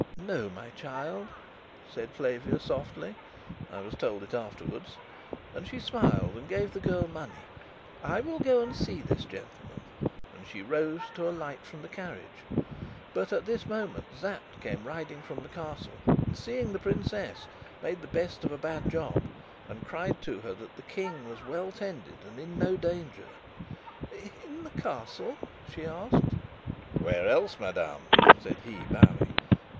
"No, my child," said Flavia softly (I was told it afterwards), and she smiled and gave the girl money. "I will go and see this gentleman," and she rose to alight from the carriage. But at this moment Sapt came riding from the Castle, and, seeing the princess, made the best of a bad job, and cried to her that the King was well tended and in no danger. "In the Castle?" she asked. "Where else, madame?" said he, bowing.